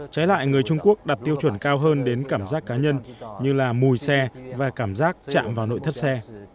trái lại người trung quốc đặt tiêu chuẩn cao hơn đến cảm giác cá nhân như là mùi xe và cảm giác chạm vào nội thất xe